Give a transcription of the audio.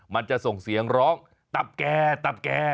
มันจะส่งเสียงร้องตับแก่ตับแก่